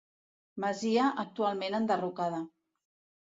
Masia actualment enderrocada.